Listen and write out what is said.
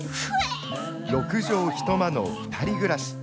６畳一間の２人暮らし。